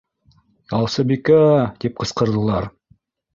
Ялсыбикә! —тип ҡысҡырҙылар.